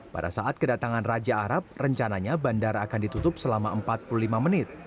pada saat kedatangan raja arab rencananya bandara akan ditutup selama empat puluh lima menit